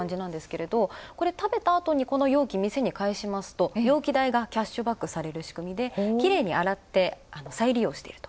これ食べたあとにこの容器を店に返すと、容器代がキャッシュバックされる仕組みできれいに洗って再利用していると。